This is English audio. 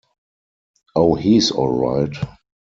Oh, he's all right.